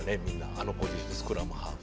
あのポジションスクラムハーフ？